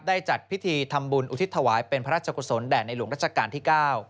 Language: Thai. จัดพิธีทำบุญอุทิศถวายเป็นพระราชกุศลแด่ในหลวงรัชกาลที่๙